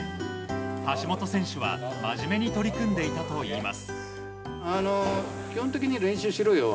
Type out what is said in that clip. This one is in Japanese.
橋本選手は、真面目に取り組んでいたといいます。